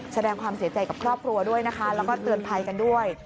แสดงความเสียใจกับครอบครัวด้วยนะคะแล้วก็เตือนภัยกันด้วย